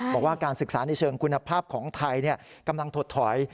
บอกว่าการศึกษาในเชิงคุณภาพของไทยกำลังถดถอย